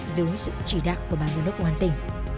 dưới sự chỉ đạo của bàn giám đốc công an tỉnh